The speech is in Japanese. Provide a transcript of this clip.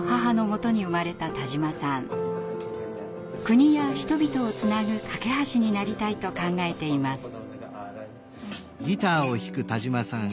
国や人々をつなぐ懸け橋になりたいと考えています。